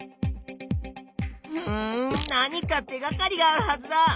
うん何か手がかりがあるはずだ！